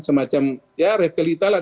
semacam ya repelitalah